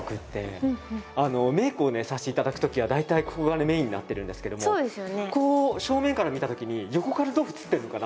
メイクをさせていただくときは大体ここがメインになってるんですけどもこう正面から見たときに横からどう映ってるのかな？